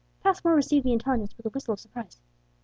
Passmore received the intelligence with a whistle of surprise.